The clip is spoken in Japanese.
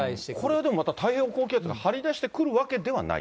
これはでも太平洋高気圧が張り出してくるわけではないと。